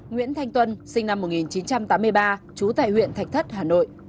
nguyễn thanh tuân sinh năm một nghìn chín trăm tám mươi ba trú tại huyện thạch thất hà nội